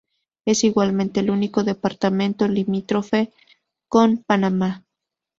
Es igualmente el único departamento limítrofe con Panamá.